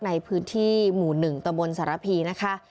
ในพื้นที่หมู่๑ตะบนสารพีนะคะ